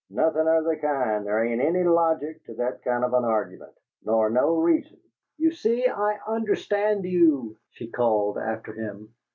"Nothin' of the kind. There ain't any LOGIC to that kind of an argument, nor no REASON!" "You see, I understand you," she called after him.